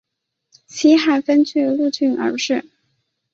西汉分钜鹿郡而置。